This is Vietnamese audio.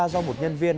do một nhân viên